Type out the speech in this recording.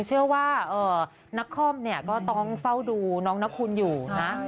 เชื่อว่านักคอมเนี่ยก็ต้องเฝ้าดูน้องนักคุณอยู่นะ